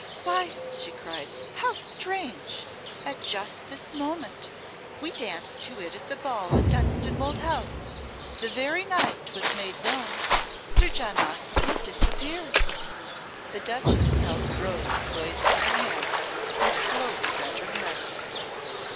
"Why," she cried, "how strange at just this moment. We danced to it at the ball at Dunstanwolde House the very night 'twas made known Sir John Oxon had disappeared." The Duchess held the rose poised in her hand and slowly bent her head.